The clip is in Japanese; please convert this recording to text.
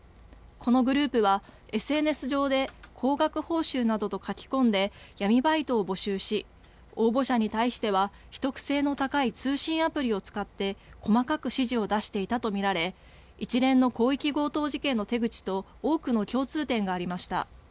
このグループはＳＮＳ上で高額報酬などと書き込んで闇バイトを募集し応募者に対しては秘匿性の高い通信アプリを使って細かく指示を出していたと見られ一連の広域強盗事件の手口と多くの共通点がありました。